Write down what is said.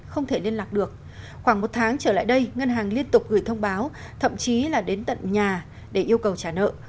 không thể liên lạc được khoảng một tháng trở lại đây ngân hàng liên tục gửi thông báo thậm chí là đến tận nhà để yêu cầu trả nợ